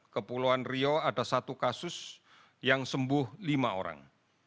kepulauan rio ada satu kasus yang sembuh lima orang